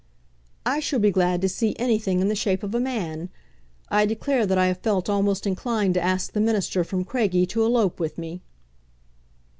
"I shall be glad to see anything in the shape of a man. I declare that I have felt almost inclined to ask the minister from Craigie to elope with me."